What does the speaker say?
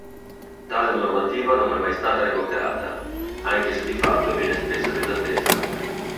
Tale normativa non è mai stata revocata, anche se di fatto viene spesso disattesa.